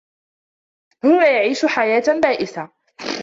هو يعيش حياة بائسة.